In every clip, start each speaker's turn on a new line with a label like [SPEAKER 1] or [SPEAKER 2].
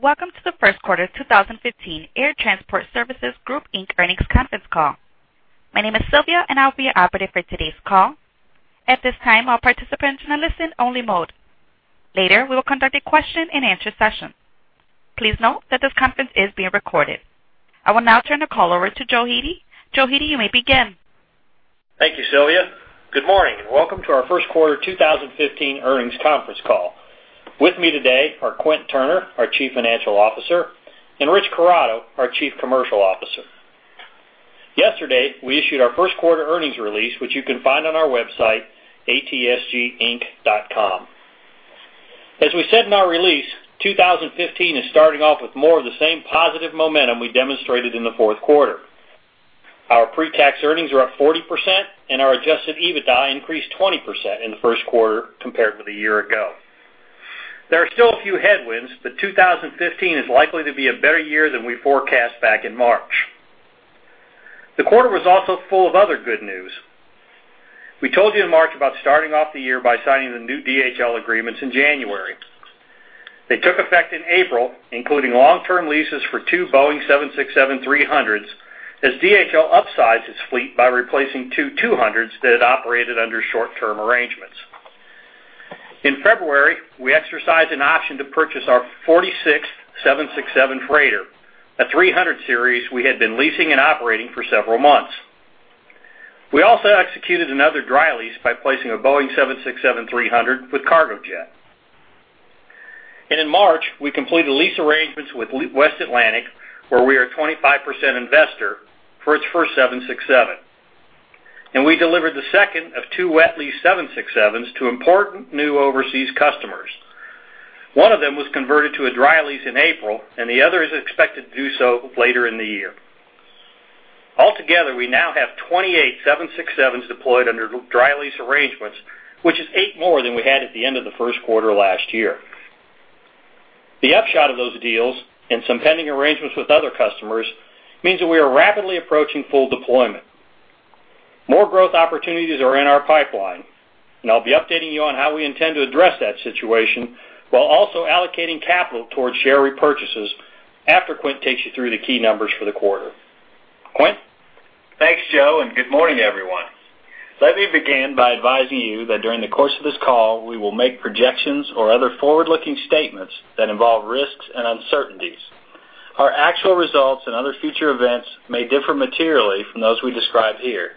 [SPEAKER 1] Welcome to the first quarter 2015 Air Transport Services Group, Inc. earnings conference call. My name is Sylvia, and I'll be your operator for today's call. At this time, all participants are in listen only mode. Later, we will conduct a question and answer session. Please note that this conference is being recorded. I will now turn the call over to Joe Hete. Joe Hete, you may begin.
[SPEAKER 2] Thank you, Sylvia. Good morning and welcome to our first quarter 2015 earnings conference call. With me today are Quint Turner, our Chief Financial Officer, and Rich Corrado, our Chief Commercial Officer. Yesterday, we issued our first quarter earnings release, which you can find on our website, atsginc.com. As we said in our release, 2015 is starting off with more of the same positive momentum we demonstrated in the fourth quarter. Our pre-tax earnings are up 40%, and our adjusted EBITDA increased 20% in the first quarter compared with a year ago. 2015 is likely to be a better year than we forecast back in March. The quarter was also full of other good news. We told you in March about starting off the year by signing the new DHL agreements in January. They took effect in April, including long-term leases for 2 Boeing 767-300s, as DHL upsizes fleet by replacing 2 200s that had operated under short-term arrangements. In February, we exercised an option to purchase our 46th 767 freighter, a 300 series we had been leasing and operating for several months. We also executed another dry lease by placing a Boeing 767-300 with Cargojet. In March, we completed lease arrangements with West Atlantic, where we are a 25% investor for its first 767. We delivered the second of 2 wet lease 767s to important new overseas customers. One of them was converted to a dry lease in April, and the other is expected to do so later in the year. Altogether, we now have 28 767s deployed under dry lease arrangements, which is 8 more than we had at the end of the first quarter last year. The upshot of those deals and some pending arrangements with other customers means that we are rapidly approaching full deployment. More growth opportunities are in our pipeline. I'll be updating you on how we intend to address that situation while also allocating capital towards share repurchases after Quint takes you through the key numbers for the quarter. Quint?
[SPEAKER 3] Thanks, Joe, good morning, everyone. Let me begin by advising you that during the course of this call, we will make projections or other forward-looking statements that involve risks and uncertainties. Our actual results and other future events may differ materially from those we describe here.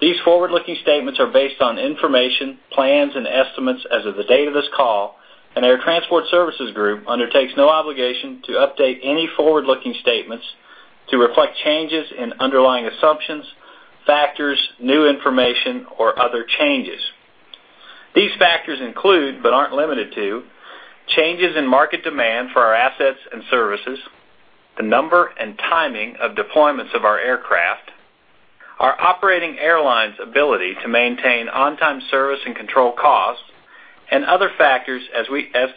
[SPEAKER 3] These forward-looking statements are based on information, plans, and estimates as of the date of this call, and Air Transport Services Group undertakes no obligation to update any forward-looking statements to reflect changes in underlying assumptions, factors, new information, or other changes. These factors include, aren't limited to, changes in market demand for our assets and services, the number and timing of deployments of our aircraft, our operating airlines' ability to maintain on-time service and control costs, other factors as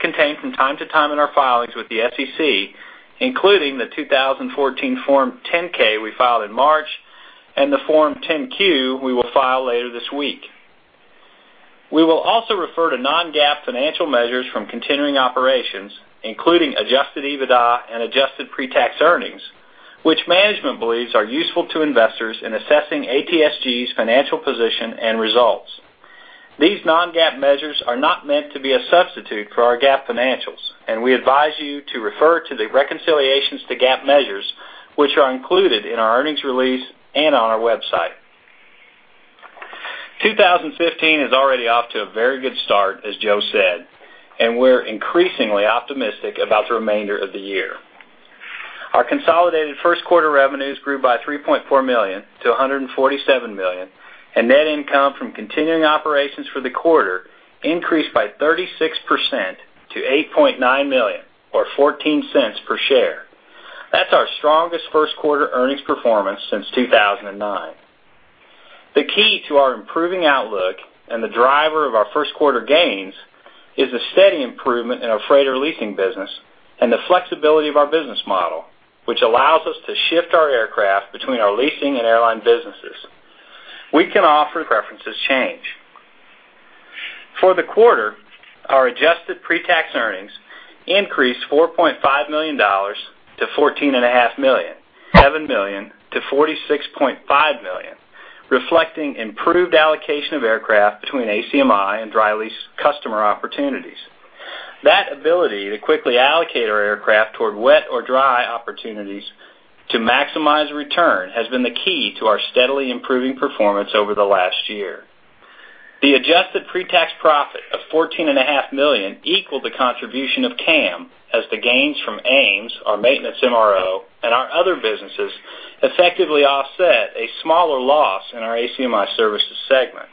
[SPEAKER 3] contained from time to time in our filings with the SEC, including the 2014 Form 10-K we filed in March and the Form 10-Q we will file later this week. We will also refer to non-GAAP financial measures from continuing operations, including adjusted EBITDA and adjusted pre-tax earnings, which management believes are useful to investors in assessing ATSG's financial position and results. These non-GAAP measures are not meant to be a substitute for our GAAP financials, we advise you to refer to the reconciliations to GAAP measures, which are included in our earnings release and on our website. 2015 is already off to a very good start, as Joe said, we're increasingly optimistic about the remainder of the year. Our consolidated first quarter revenues grew by $3.4 million to $147 million, net income from continuing operations for the quarter increased by 36% to $8.9 million or $0.14 per share. That's our strongest first quarter earnings performance since 2009. The key to our improving outlook and the driver of our first quarter gains is the steady improvement in our freighter leasing business and the flexibility of our business model, which allows us to shift our aircraft between our leasing and airline businesses. We can offer preferences change. For the quarter, our adjusted pre-tax earnings increased $4.5 million to $14.5 million, [inaudible] to $46.5 million, reflecting improved allocation of aircraft between ACMI and dry lease customer opportunities. That ability to quickly allocate our aircraft toward wet or dry opportunities to maximize return has been the key to our steadily improving performance over the last year. The adjusted pre-tax profit of $14.5 million equaled the contribution of CAM as the gains from AMES, our maintenance MRO, and our other businesses effectively offset a smaller loss in our ACMI services segment.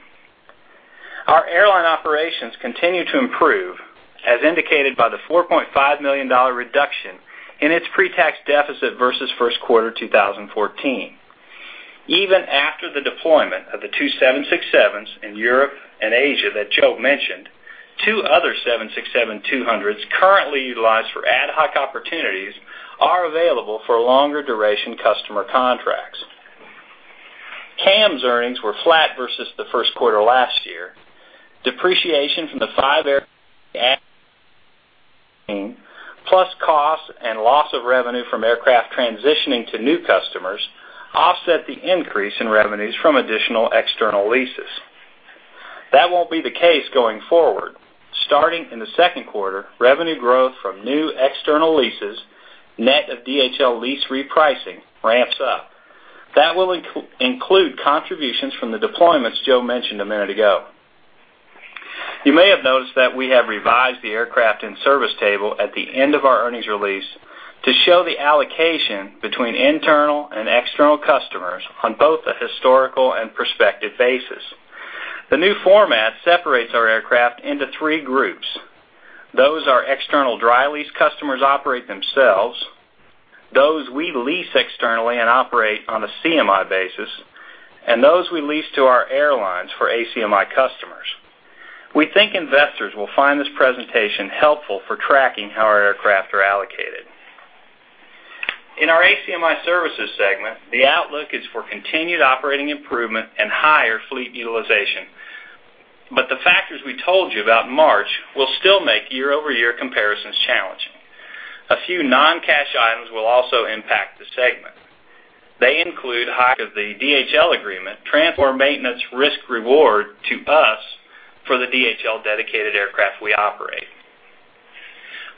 [SPEAKER 3] Our airline operations continue to improve, as indicated by the $4.5 million reduction in its pre-tax deficit versus first quarter 2014. Even after the deployment of the two 767s in Europe and Asia that Joe mentioned, two other 767-200s currently utilized for ad hoc opportunities are available for longer duration customer contracts. CAM's earnings were flat versus the first quarter last year. Depreciation from the five aircraft costs and loss of revenue from aircraft transitioning to new customers offset the increase in revenues from additional external leases. That won't be the case going forward. Starting in the second quarter, revenue growth from new external leases, net of DHL lease repricing, ramps up. That will include contributions from the deployments Joe mentioned a minute ago. You may have noticed that we have revised the aircraft in service table at the end of our earnings release to show the allocation between internal and external customers on both a historical and prospective basis. The new format separates our aircraft into three groups. Those are external dry lease customers operate themselves, those we lease externally and operate on a CMI basis, and those we lease to our airlines for ACMI customers. We think investors will find this presentation helpful for tracking how our aircraft are allocated. In our ACMI services segment, the outlook is for continued operating improvement and higher fleet utilization. The factors we told you about in March will still make year-over-year comparisons challenging. A few non-cash items will also impact the segment. They include hike of the DHL agreement, transfer maintenance risk reward to us for the DHL dedicated aircraft we operate.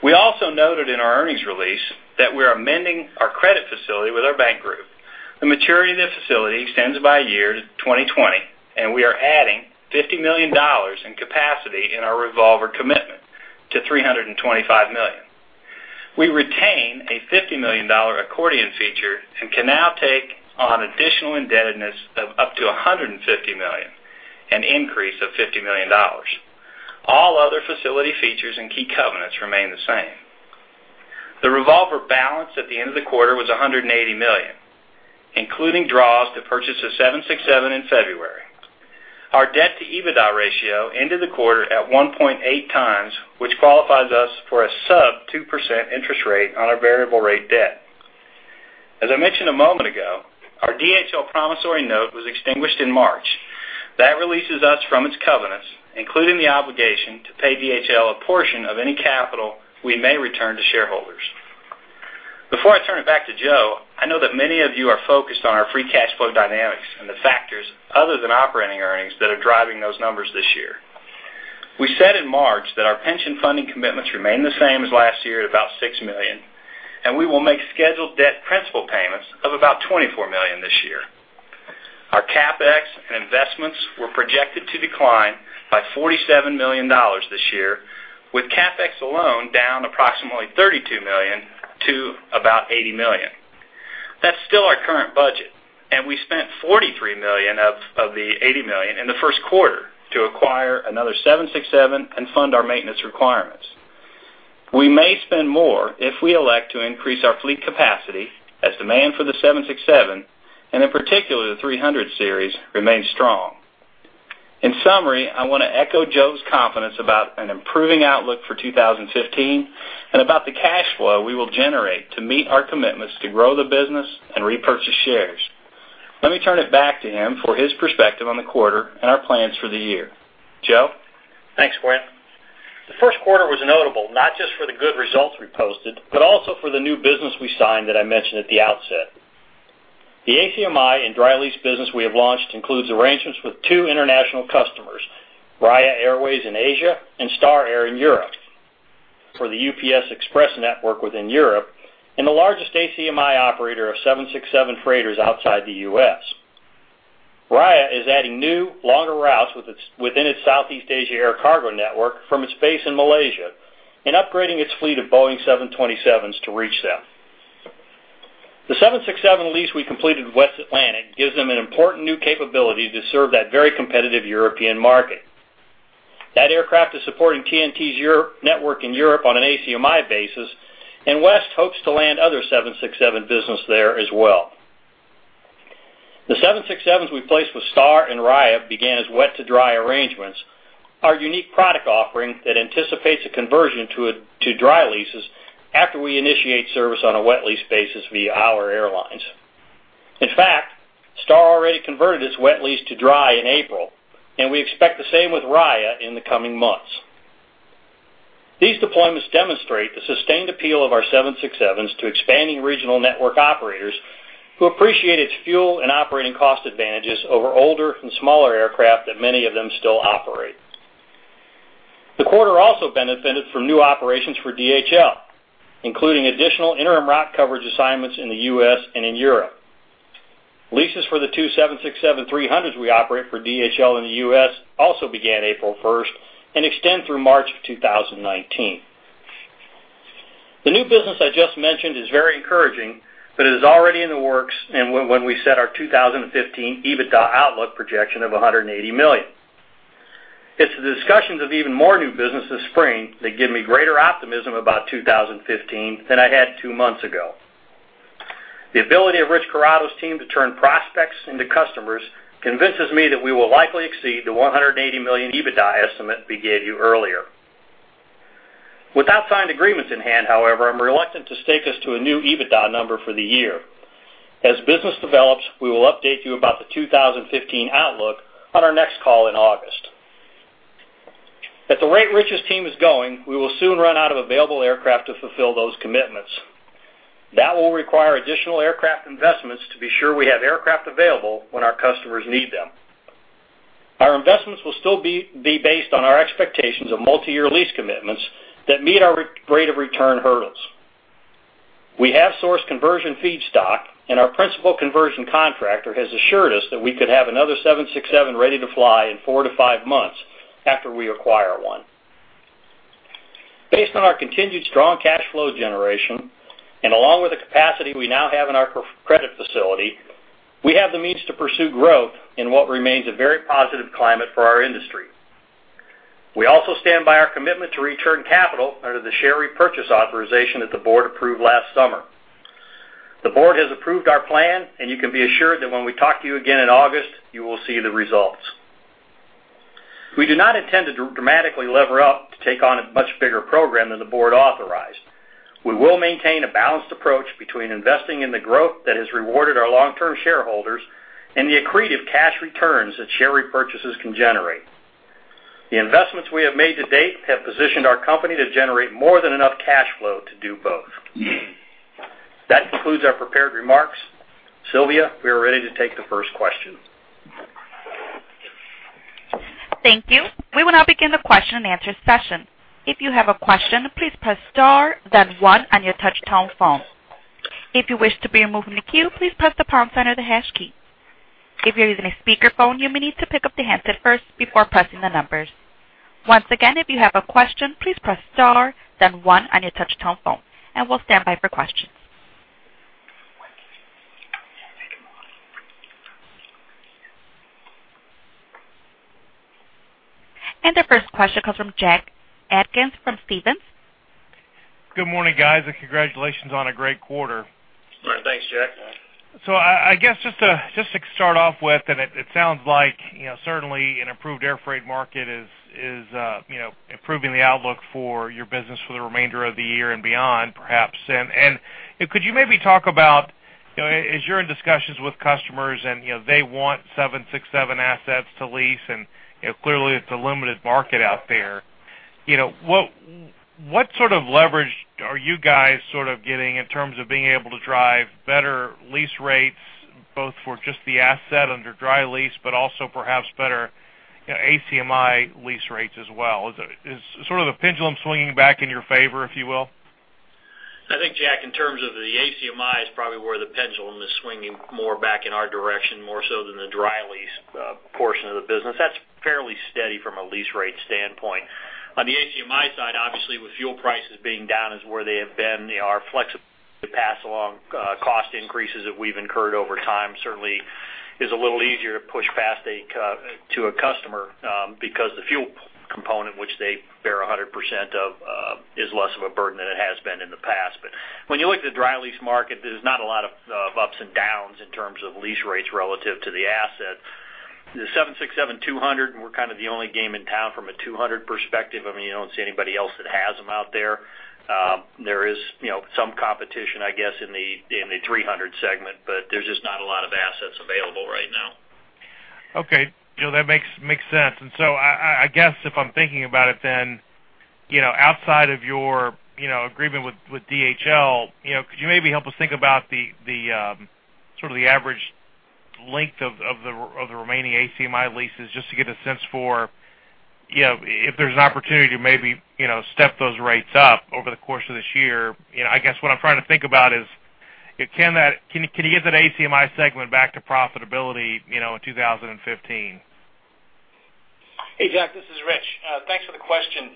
[SPEAKER 3] We also noted in our earnings release that we're amending our credit facility with our bank group. The maturity of this facility extends by a year to 2020. We are adding $50 million in capacity in our revolver commitment to $325 million. We retain a $50 million accordion feature and can now take on additional indebtedness of up to $150 million, an increase of $50 million. All other facility features and key covenants remain the same. The revolver balance at the end of the quarter was $180 million, including draws to purchase a 767 in February. Our debt to EBITDA ratio ended the quarter at 1.8 times, which qualifies us for a sub 2% interest rate on our variable rate debt. As I mentioned a moment ago, our DHL promissory note was extinguished in March. That releases us from its covenants, including the obligation to pay DHL a portion of any capital we may return to shareholders. Before I turn it back to Joe, I know that many of you are focused on our free cash flow dynamics and the factors other than operating earnings that are driving those numbers this year. We said in March that our pension funding commitments remain the same as last year at about $6 million. We will make scheduled debt principal payments of about $24 million this year. Our CapEx and investments were projected to decline by $47 million this year, with CapEx alone down approximately $32 million to about $80 million. That's still our current budget. We spent $43 million of the $80 million in the first quarter to acquire another 767 and fund our maintenance requirements. We may spend more if we elect to increase our fleet capacity as demand for the 767, and in particular the 300 series, remains strong. In summary, I want to echo Joe's confidence about an improving outlook for 2015 and about the cash flow we will generate to meet our commitments to grow the business and repurchase shares. Let me turn it back to him for his perspective on the quarter and our plans for the year. Joe?
[SPEAKER 2] Thanks, Quint. The first quarter was notable not just for the good results we posted, but also for the new business we signed that I mentioned at the outset. The ACMI and dry lease business we have launched includes arrangements with two international customers, Raya Airways in Asia and Star Air in Europe, for the UPS Express network within Europe and the largest ACMI operator of 767 freighters outside the U.S. Raya is adding new, longer routes within its Southeast Asia air cargo network from its base in Malaysia and upgrading its fleet of Boeing 727s to reach them. The 767 lease we completed with West Atlantic gives them an important new capability to serve that very competitive European market. That aircraft is supporting TNT's network in Europe on an ACMI basis, and West hopes to land other 767 business there as well. The 767s we placed with Star and Raya began as wet to dry arrangements, our unique product offering that anticipates a conversion to dry leases after we initiate service on a wet lease basis via our airlines. In fact, Star already converted its wet lease to dry in April, and we expect the same with Raya in the coming months. These deployments demonstrate the sustained appeal of our 767s to expanding regional network operators who appreciate its fuel and operating cost advantages over older and smaller aircraft that many of them still operate. The quarter also benefited from new operations for DHL, including additional interim rot coverage assignments in the U.S. and in Europe. Leases for the two 767-300s we operate for DHL in the U.S. also began April 1st and extend through March of 2019. The new business I just mentioned is very encouraging, but it is already in the works and when we set our 2015 EBITDA outlook projection of $180 million. It's the discussions of even more new business this spring that give me greater optimism about 2015 than I had two months ago. The ability of Rich Corrado's team to turn prospects into customers convinces me that we will likely exceed the $180 million EBITDA estimate we gave you earlier. Without signed agreements in hand, however, I'm reluctant to stake us to a new EBITDA number for the year. As business develops, we will update you about the 2015 outlook on our next call in August. At the rate Rich's team is going, we will soon run out of available aircraft to fulfill those commitments. That will require additional aircraft investments to be sure we have aircraft available when our customers need them. Our investments will still be based on our expectations of multi-year lease commitments that meet our rate of return hurdles. We have sourced conversion feedstock, and our principal conversion contractor has assured us that we could have another 767 ready to fly in four to five months after we acquire one. Based on our continued strong cash flow generation and along with the capacity we now have in our credit facility, we have the means to pursue growth in what remains a very positive climate for our industry. We also stand by our commitment to return capital under the share repurchase authorization that the board approved last summer. The board has approved our plan, you can be assured that when we talk to you again in August, you will see the results. We do not intend to dramatically lever up to take on a much bigger program than the board authorized. We will maintain a balanced approach between investing in the growth that has rewarded our long-term shareholders and the accretive cash returns that share repurchases can generate. The investments we have made to date have positioned our company to generate more than enough cash flow to do both. That concludes our prepared remarks. Sylvia, we are ready to take the first question.
[SPEAKER 1] Thank you. We will now begin the question and answer session. If you have a question, please press star then one on your touch-tone phone. If you wish to be removed from the queue, please press the pound sign or the hash key. If you're using a speakerphone, you may need to pick up the handset first before pressing the numbers. Once again, if you have a question, please press star then one on your touch-tone phone, and we'll stand by for questions. The first question comes from Jack Atkins from Stephens.
[SPEAKER 4] Good morning, guys, congratulations on a great quarter.
[SPEAKER 2] Thanks, Jack.
[SPEAKER 4] I guess just to start off with, it sounds like certainly an improved air freight market is improving the outlook for your business for the remainder of the year and beyond, perhaps. Could you maybe talk about, as you're in discussions with customers and they want 767 assets to lease, and clearly it's a limited market out there, what sort of leverage are you guys sort of getting in terms of being able to drive better lease rates, both for just the asset under dry lease, but also perhaps better ACMI lease rates as well? Is sort of the pendulum swinging back in your favor, if you will?
[SPEAKER 2] I think, Jack, in terms of the ACMI is probably where the pendulum is swinging more back in our direction, more so than the dry lease portion of the business. That's fairly steady from a lease rate standpoint. On the ACMI side, obviously, with fuel prices being down as where they have been, our flexibility to pass along cost increases that we've incurred over time certainly is a little easier to push past to a customer, because the fuel component, which they bear 100%, is less of a burden than it has been in the past. When you look at the dry lease market, there's not a lot of ups and downs in terms of lease rates relative to the asset. The 767-200, we're kind of the only game in town from a 200 perspective. I mean, you don't see anybody else that has them out there. There is some competition, I guess, in the 300 segment, there's just not a lot of assets available right now.
[SPEAKER 4] Okay. That makes sense. I guess if I'm thinking about it then, outside of your agreement with DHL, could you maybe help us think about the sort of the average length of the remaining ACMI leases, just to get a sense for if there's an opportunity to maybe step those rates up over the course of this year. I guess what I'm trying to think about is, can you get that ACMI segment back to profitability in 2015?
[SPEAKER 5] Hey, Jack, this is Rich. Thanks for the question.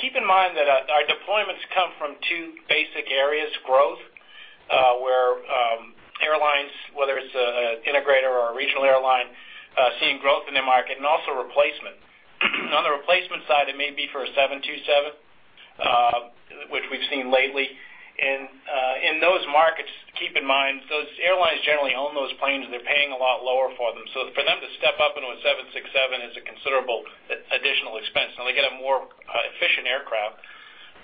[SPEAKER 5] Keep in mind that our deployments come from two basic areas: growth, where airlines, whether it's an integrator or a regional airline, seeing growth in the market, and also replacement. On the replacement side, it may be for a Boeing 727, which we've seen lately. In those markets, keep in mind, those airlines generally own those planes, and they're paying a lot lower for them. For them to step up into a Boeing 767 is a considerable additional expense. Now they get a more efficient aircraft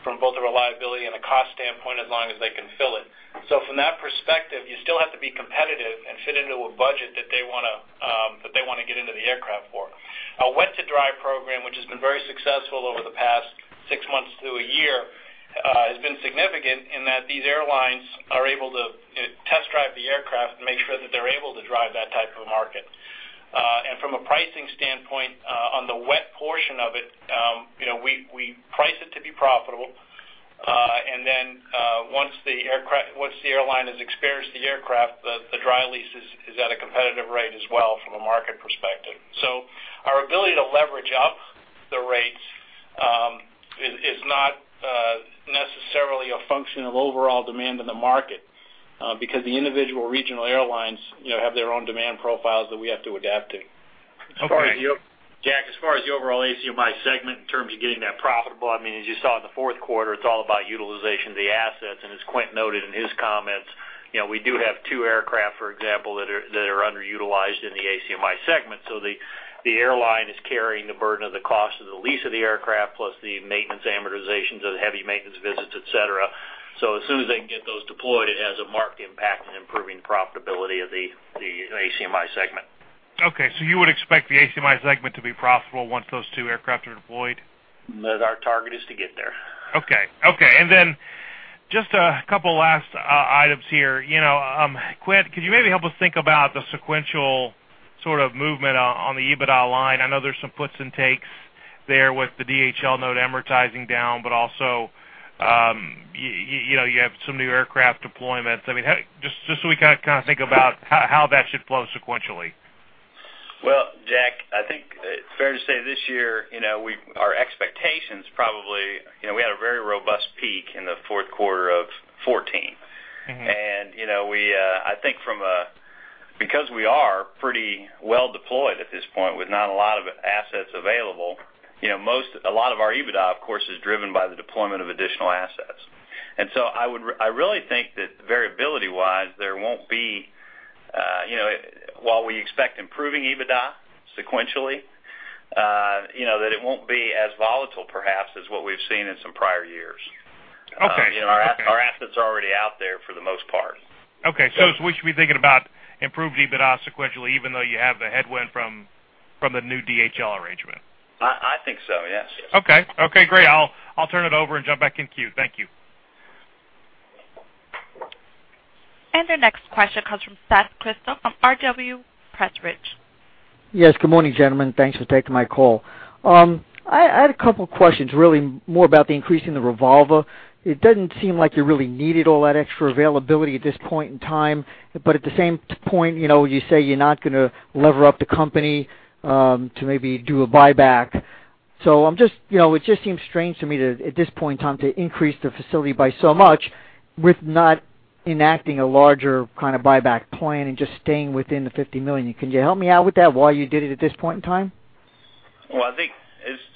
[SPEAKER 5] from both a reliability and a cost standpoint as long as they can fill it. From that perspective, you still have to be competitive and fit into a budget that they want to get into the aircraft for.
[SPEAKER 2] A wet to dry program, which has been very successful over the past six months to a year, has been significant in that these airlines are able to test drive the aircraft and make sure that they're able to drive that type of a market. From a pricing standpoint, on the wet portion of it, we price it to be profitable. Then, once the airline has experienced the aircraft, the dry lease is at a competitive rate as well from a market perspective. Our ability to leverage up the rates is not necessarily a function of overall demand in the market, because the individual regional airlines have their own demand profiles that we have to adapt to.
[SPEAKER 4] Okay.
[SPEAKER 2] Jack, as far as the overall ACMI segment in terms of getting that profitable, I mean, as you saw in the fourth quarter, it's all about utilization of the assets. As Quint noted in his comments
[SPEAKER 3] We do have two aircraft, for example, that are underutilized in the ACMI segment. The airline is carrying the burden of the cost of the lease of the aircraft plus the maintenance amortization, the heavy maintenance visits, et cetera. As soon as they can get those deployed, it has a marked impact on improving profitability of the ACMI segment.
[SPEAKER 4] Okay. You would expect the ACMI segment to be profitable once those two aircraft are deployed?
[SPEAKER 3] That our target is to get there.
[SPEAKER 4] Okay. Just a couple last items here. Quint, could you maybe help us think about the sequential sort of movement on the EBITDA line? I know there's some puts and takes there with the DHL note amortizing down, you have some new aircraft deployments. Just so we kind of think about how that should flow sequentially.
[SPEAKER 3] Well, Jack, I think it's fair to say this year, our expectations probably, we had a very robust peak in the fourth quarter of 2014. I think because we are pretty well deployed at this point with not a lot of assets available, a lot of our EBITDA, of course, is driven by the deployment of additional assets. I really think that variability-wise, while we expect improving EBITDA sequentially, that it won't be as volatile perhaps as what we've seen in some prior years.
[SPEAKER 4] Okay.
[SPEAKER 3] Our assets are already out there for the most part.
[SPEAKER 4] Okay. We should be thinking about improved EBITDA sequentially, even though you have the headwind from the new DHL arrangement?
[SPEAKER 3] I think so, yes.
[SPEAKER 4] Okay, great. I'll turn it over and jump back in queue. Thank you.
[SPEAKER 1] Our next question comes from Seth Crystall of R.W. Pressprich & Co.
[SPEAKER 6] Yes, good morning, gentlemen. Thanks for taking my call. I had a couple questions, really more about the increase in the revolver. It doesn't seem like you really needed all that extra availability at this point in time. At the same point, you say you're not going to lever up the company to maybe do a buyback. It just seems strange to me at this point in time to increase the facility by so much with not enacting a larger kind of buyback plan and just staying within the $50 million. Can you help me out with that, why you did it at this point in time?
[SPEAKER 3] Well, I think,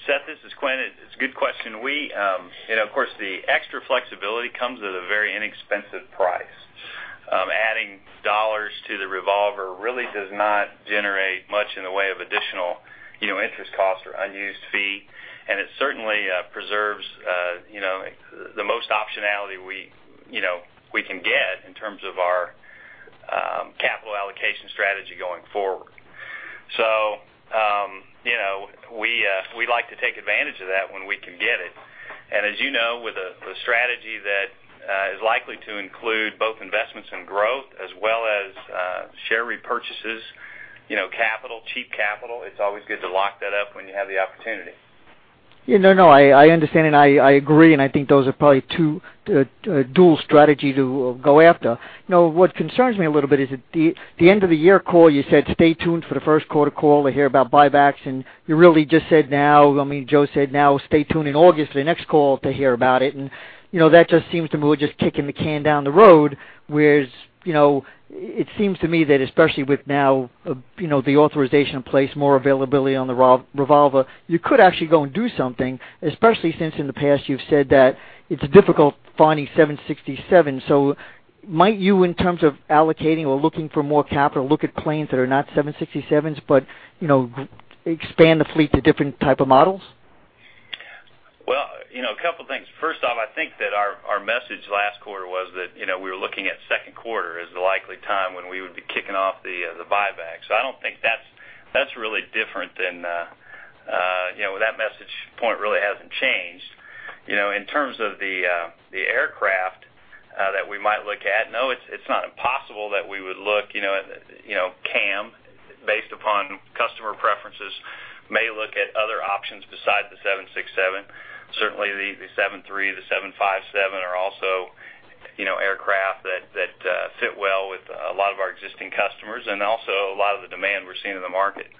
[SPEAKER 3] Seth, this is Quint. It's a good question. Of course, the extra flexibility comes at a very inexpensive price. Adding dollars to the revolver really does not generate much in the way of additional interest costs or unused fee, it certainly preserves the most optionality we can get in terms of our capital allocation strategy going forward. We like to take advantage of that when we can get it. As you know, with a strategy that is likely to include both investments in growth as well as share repurchases, capital, cheap capital, it's always good to lock that up when you have the opportunity.
[SPEAKER 6] I understand and I agree, and I think those are probably two dual strategy to go after. What concerns me a little bit is at the end of the year call, you said, "Stay tuned for the first quarter call to hear about buybacks." You really just said now, I mean, Joe said, "Now stay tuned in August for the next call to hear about it." That just seems to me we're just kicking the can down the road, whereas, it seems to me that especially with now the authorization in place, more availability on the revolver, you could actually go and do something, especially since in the past, you've said that it's difficult finding 767s. Might you, in terms of allocating or looking for more capital, look at planes that are not 767s, but expand the fleet to different type of models?
[SPEAKER 3] Well, a couple things. First off, I think that our message last quarter was that we were looking at second quarter as the likely time when we would be kicking off the buyback. I don't think that's really different than That message point really hasn't changed. In terms of the aircraft that we might look at, no, it's not impossible that we would look, CAM, based upon customer preferences, may look at other options besides the 767. Certainly, the 737, the 757 are also aircraft that fit well with a lot of our existing customers and also a lot of the demand we're seeing in the market.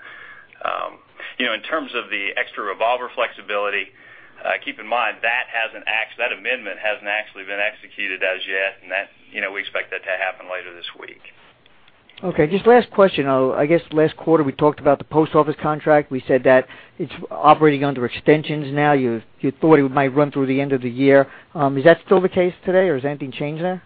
[SPEAKER 3] In terms of the extra revolver flexibility, keep in mind, that amendment hasn't actually been executed as yet, and we expect that to happen later this week.
[SPEAKER 6] Okay. Just last question. I guess last quarter, we talked about the Post Office contract. We said that it's operating under extensions now. You thought it might run through the end of the year. Is that still the case today, or has anything changed there?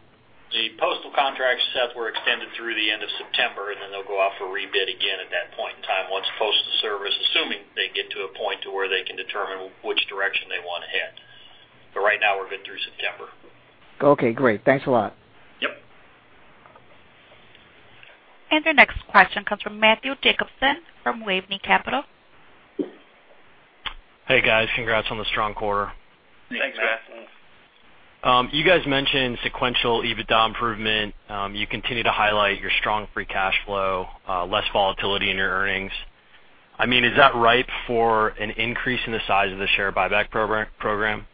[SPEAKER 3] The postal contracts, Seth, were extended through the end of September. They'll go out for rebid again at that point in time once Postal Service, assuming they get to a point to where they can determine which direction they want to head. Right now, we're good through September.
[SPEAKER 6] Okay, great. Thanks a lot.
[SPEAKER 3] Yep.
[SPEAKER 1] Our next question comes from [Matthew Jacobson] from [Waveney Capital].
[SPEAKER 7] Hey, guys. Congrats on the strong quarter.
[SPEAKER 3] Thanks, Matt.
[SPEAKER 7] You guys mentioned sequential EBITDA improvement. You continue to highlight your strong free cash flow, less volatility in your earnings. I mean, is that ripe for an increase in the size of the share buyback program?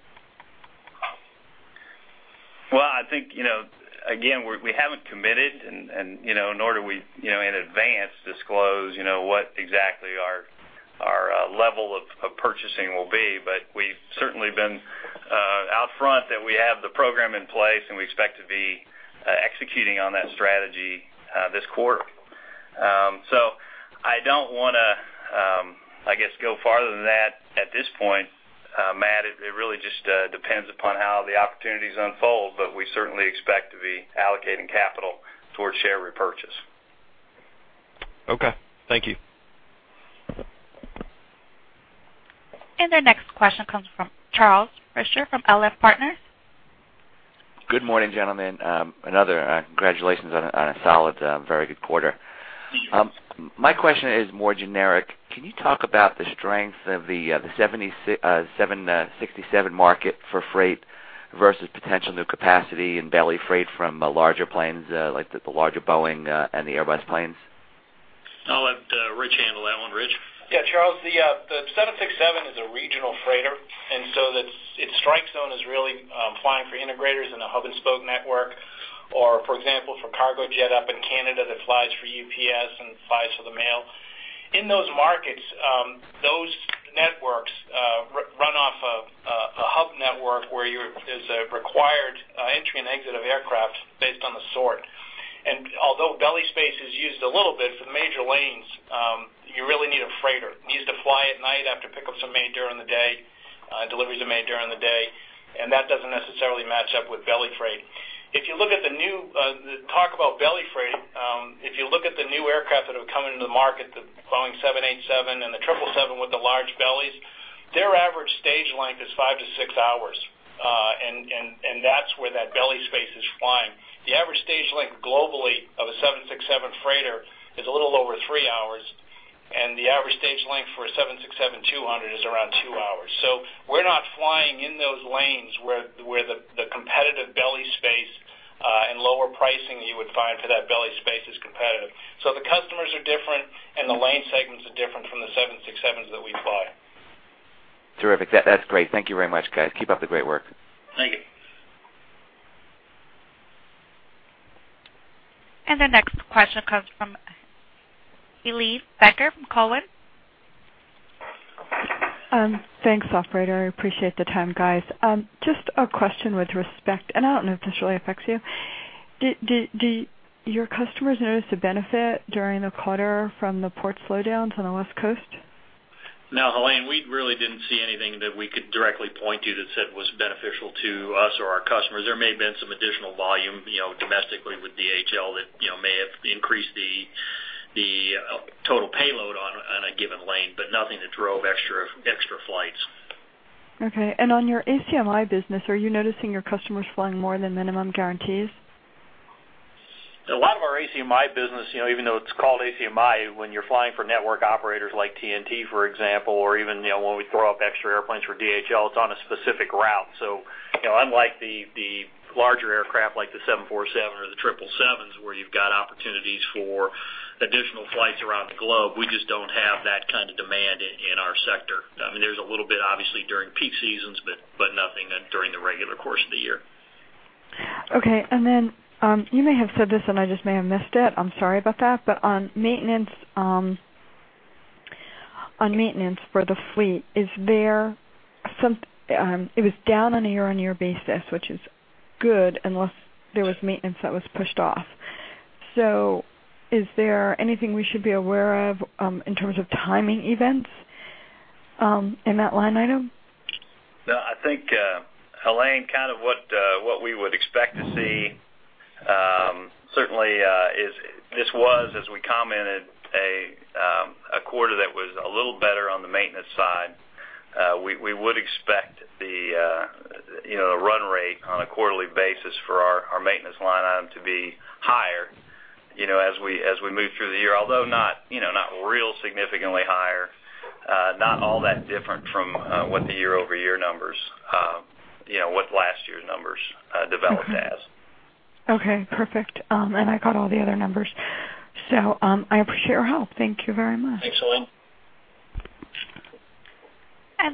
[SPEAKER 3] Well, I think, again, we haven't committed, and nor do we, in advance, disclose what exactly our level of purchasing will be. We've certainly been out front that we have the program in place, and we expect to be executing on that strategy this quarter. I don't want to I guess, go farther than that at this point, Matt, it really just depends upon how the opportunities unfold, but we certainly expect to be allocating capital towards share repurchase.
[SPEAKER 7] Okay. Thank you.
[SPEAKER 1] Our next question comes from Charles Fisher from LF Partners.
[SPEAKER 8] Good morning, gentlemen. Another congratulations on a very good quarter.
[SPEAKER 2] Thanks.
[SPEAKER 8] My question is more generic. Can you talk about the strength of the 767 market for freight versus potential new capacity and belly freight from larger planes, like the larger Boeing and the Airbus planes?
[SPEAKER 3] I'll let Rich handle that one. Rich?
[SPEAKER 5] Yeah, Charles, the 767 is a regional freighter. Its strike zone is really flying for integrators in the hub-and-spoke network or, for example, for Cargojet up in Canada that flies for UPS and flies for the mail. In those markets, those networks run off a hub network where there's a required entry and exit of aircraft based on the sort. Although belly space is used a little bit, for the major lanes, you really need a freighter. It needs to fly at night after pickups are made during the day, deliveries are made during the day, and that doesn't necessarily match up with belly freight. Talk about belly freight, if you look at the new aircraft that have come into the market, the Boeing 787 and the 777 with the large bellies, their average stage length is five to six hours. That's where that belly space is flying. The average stage length globally of a 767 freighter is a little over three hours, and the average stage length for a 767-200 is around two hours. We're not flying in those lanes where the competitive belly space and lower pricing you would find for that belly space is competitive. The customers are different, and the lane segments are different from the 767s that we fly.
[SPEAKER 8] Terrific. That's great. Thank you very much, guys. Keep up the great work.
[SPEAKER 5] Thank you.
[SPEAKER 1] The next question comes from Helane Becker from Cowen.
[SPEAKER 9] Thanks, operator. I appreciate the time, guys. Just a question with respect, and I don't know if this really affects you. Do your customers notice the benefit during the quarter from the port slowdowns on the West Coast?
[SPEAKER 3] No, Helane, we really didn't see anything that we could directly point to that said it was beneficial to us or our customers. There may have been some additional volume domestically with DHL that may have increased the total payload on a given lane, but nothing that drove extra flights.
[SPEAKER 9] Okay. On your ACMI business, are you noticing your customers flying more than minimum guarantees?
[SPEAKER 3] A lot of our ACMI business, even though it's called ACMI, when you're flying for network operators like TNT, for example, or even when we throw up extra airplanes for DHL, it's on a specific route. Unlike the larger aircraft like the 747 or the 777s where you've got opportunities for additional flights around the globe, we just don't have that kind of demand in our sector. There's a little bit, obviously, during peak seasons, but nothing during the regular course of the year.
[SPEAKER 9] Okay. You may have said this and I just may have missed it. I'm sorry about that. On maintenance for the fleet, it was down on a year-on-year basis, which is good, unless there was maintenance that was pushed off. Is there anything we should be aware of in terms of timing events in that line item?
[SPEAKER 3] No. I think, Helane, kind of what we would expect to see, certainly, this was, as we commented, a quarter that was a little better on the maintenance side. We would expect the run rate on a quarterly basis for our maintenance line item to be higher as we move through the year, although not real significantly higher. Not all that different from what the year-over-year numbers, what last year's numbers developed as.
[SPEAKER 9] Okay, perfect. I got all the other numbers, I appreciate your help. Thank you very much.
[SPEAKER 3] Thanks, Helane.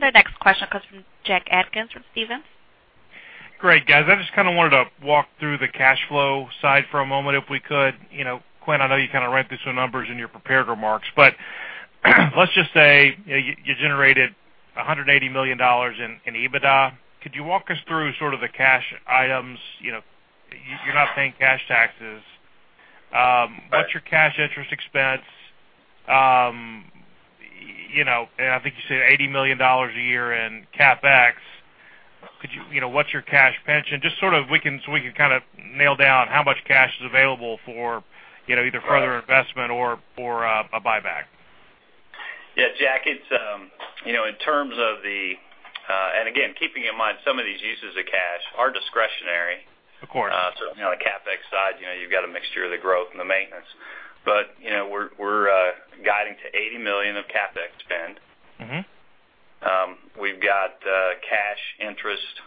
[SPEAKER 1] The next question comes from Jack Atkins from Stephens.
[SPEAKER 4] Great, guys. I just kind of wanted to walk through the cash flow side for a moment if we could. Quint, I know you kind of ran through some numbers in your prepared remarks, but let's just say you generated $180 million in EBITDA. Could you walk us through sort of the cash items? You're not paying cash taxes. What's your cash interest expense? I think you said $80 million a year in CapEx. What's your cash pension? Just sort of so we can kind of nail down how much cash is available for either further investment or for a buyback.
[SPEAKER 3] Yeah, Jack, again, keeping in mind some of these uses of cash are discretionary.
[SPEAKER 4] Of course.
[SPEAKER 3] On the CapEx side, you've got a mixture of the growth and the maintenance. We're guiding to $80 million of CapEx spend. We've got cash interest.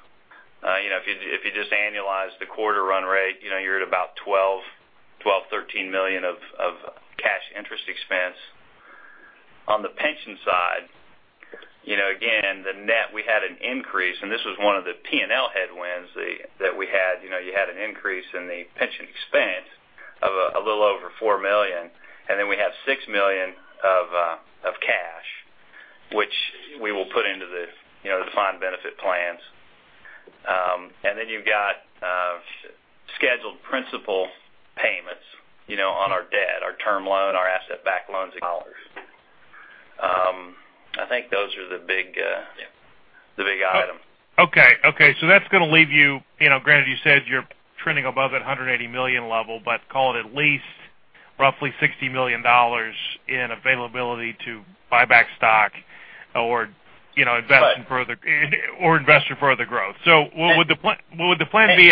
[SPEAKER 3] If you just annualize the quarter run rate, you're at about $12, $13 million of cash interest expense. On the pension side, again, the net, we had an increase, and this was one of the P&L headwinds that we had. You had an increase in the pension expense of a little over $4 million, and then we have $6 million of cash, which we will put into the defined benefit plans. Then you've got Scheduled principal payments on our debt, our term loan, our asset-backed loans dollars. I think those are the big items.
[SPEAKER 4] Okay. That's going to leave you, granted you said you're trending above that $180 million level, but call it at least roughly $60 million in availability to buy back stock or invest in further growth. What would the plan be?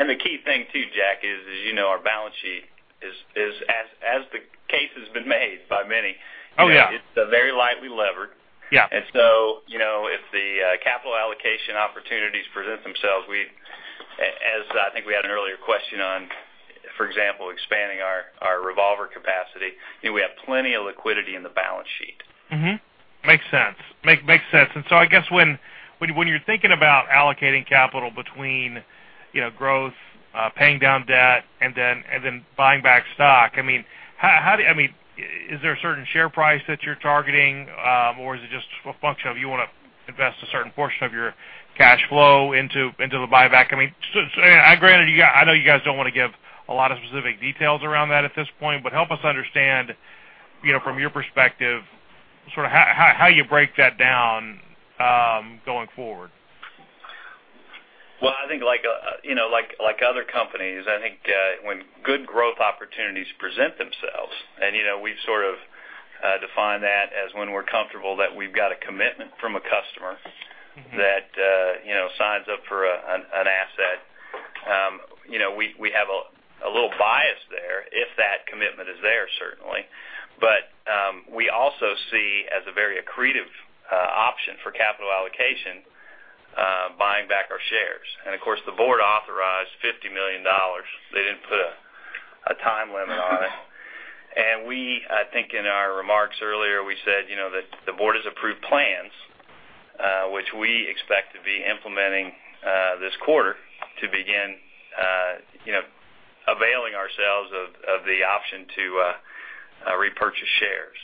[SPEAKER 3] The key thing too, Jack, is as you know, our balance sheet is, as the case has been made by many.
[SPEAKER 4] Oh, yeah
[SPEAKER 3] it's very lightly levered.
[SPEAKER 4] Yeah.
[SPEAKER 3] If the capital allocation opportunities present themselves, as I think we had an earlier question on, for example, expanding our revolver capacity, we have plenty of liquidity in the balance sheet.
[SPEAKER 4] Mm-hmm. Makes sense. I guess when you're thinking about allocating capital between growth, paying down debt, and then buying back stock, is there a certain share price that you're targeting? Or is it just a function of you want to invest a certain portion of your cash flow into the buyback? Granted, I know you guys don't want to give a lot of specific details around that at this point, but help us understand, from your perspective, how you break that down, going forward.
[SPEAKER 3] Well, I think like other companies, I think, when good growth opportunities present themselves, we've sort of defined that as when we're comfortable that we've got a commitment from a customer that signs up for an asset. We have a little bias there if that commitment is there, certainly. We also see as a very accretive option for capital allocation, buying back our shares. Of course, the board authorized $50 million. They didn't put a time limit on it. We, I think in our remarks earlier, we said that the board has approved plans, which we expect to be implementing this quarter to begin availing ourselves of the option to repurchase shares.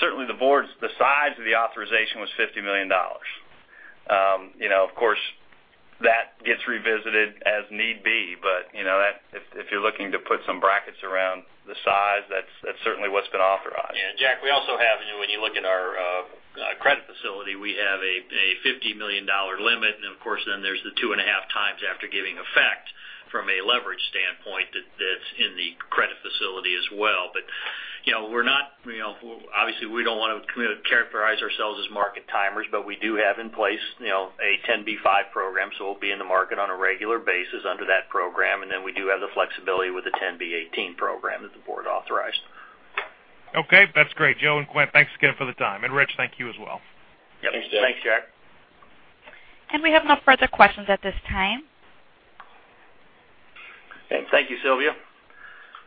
[SPEAKER 3] Certainly the size of the authorization was $50 million. Of course, that gets revisited as need be. If you're looking to put some brackets around the size, that's certainly what's been authorized.
[SPEAKER 2] Yeah, Jack, we also have, when you look at our credit facility, we have a $50 million limit, of course then there's the 2.5 times after giving effect from a leverage standpoint that's in the credit facility as well. Obviously we don't want to characterize ourselves as market timers, but we do have in place a 10b5-1 program, so we'll be in the market on a regular basis under that program. We do have the flexibility with the 10b-18 program that the board authorized.
[SPEAKER 4] Okay, that's great. Joe and Quint, thanks again for the time. Rich, thank you as well.
[SPEAKER 3] Yep. Thanks, Jack.
[SPEAKER 2] Thanks, Jack.
[SPEAKER 1] We have no further questions at this time.
[SPEAKER 2] Thank you, Sylvia.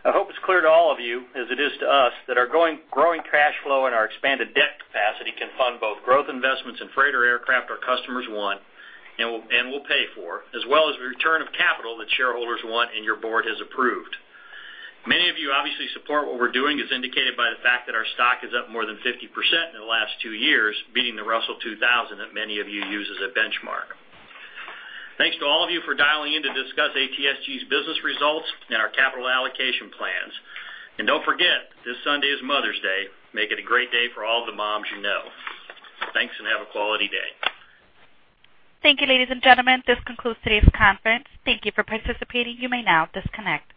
[SPEAKER 2] I hope it's clear to all of you, as it is to us, that our growing cash flow and our expanded debt capacity can fund both growth investments in freighter aircraft our customers want, and will pay for, as well as return of capital that shareholders want and your board has approved. Many of you obviously support what we're doing as indicated by the fact that our stock is up more than 50% in the last two years, beating the Russell 2000 that many of you use as a benchmark. Thanks to all of you for dialing in to discuss ATSG's business results and our capital allocation plans. Don't forget, this Sunday is Mother's Day. Make it a great day for all the moms you know. Thanks, and have a quality day.
[SPEAKER 1] Thank you, ladies and gentlemen. This concludes today's conference. Thank you for participating. You may now disconnect.